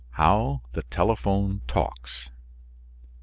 HOW THE TELEPHONE TALKS.